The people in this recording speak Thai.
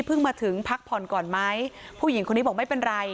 มาถึงพักผ่อนก่อนไหมผู้หญิงคนนี้บอกไม่เป็นไร